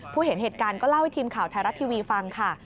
เห็นเหตุการณ์ก็เล่าให้ทีมข่าวไทยรัฐทีวีฟังค่ะ